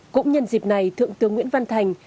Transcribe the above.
cũng nhân dịp này thượng tướng nguyễn văn thành